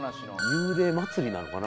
「幽霊祭」なのかな？